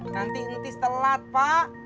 nanti intis telat pak